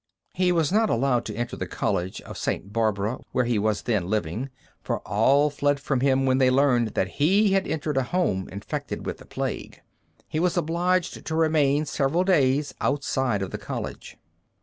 He was not allowed to enter the College of St. Barbara where he was then living, for all fled from him when they learned that he had entered a house infected with the plague. He was obliged to remain several days outside of the college.